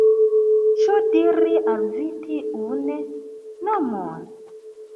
Ĉu diri al vi tiun nomon?